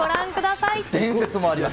伝説もあります。